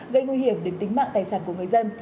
gây nguy hiểm đến tính mạng tài sản của người dân